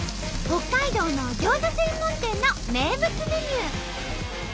北海道のギョーザ専門店の名物メニュー。